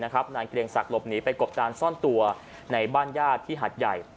นายเกรียงศักดิ์หลบหนีไปกบดานซ่อนตัวในบ้านญาติที่หัดใหญ่